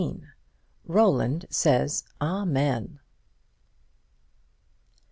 ROLAND SAYS, "AMEN."